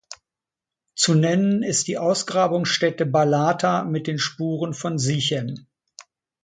Zu nennen ist die Ausgrabungsstätte Balata mit den Spuren von Sichem.